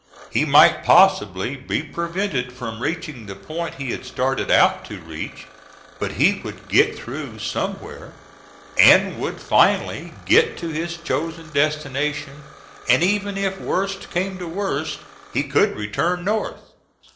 He might possibly be prevented from reaching the point he had started out to reach, but he would get through somewhere and would finally get to his chosen destination: and even if worst came to worst he could return North.